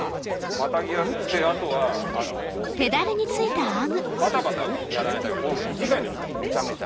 またぎやすくてバタバタやらないためにここ短いんですめちゃめちゃ。